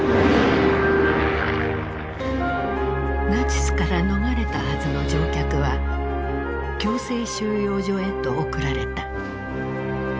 ナチスから逃れたはずの乗客は強制収容所へと送られた。